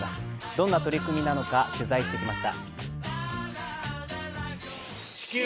どんな取り組みなのか取材してきました。